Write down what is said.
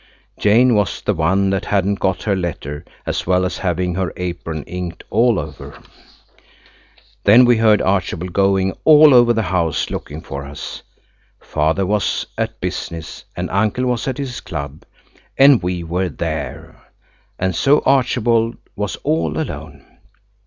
Jane was the one that hadn't got her letter, as well as having her apron inked all over. THE OTHERS CAME UP BY THE ROPE LADDER. Then we heard Archibald going all over the house looking for us. Father was at business and uncle was at his club. And we were there. And so Archibald was all alone.